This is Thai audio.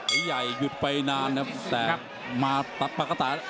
ตีใหญ่หยุดไปนานครับแต่มาประกาศ